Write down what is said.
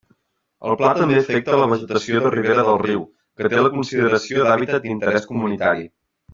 El Pla també afecta la vegetació de ribera del riu, que té la consideració d'hàbitat d'interès comunitari.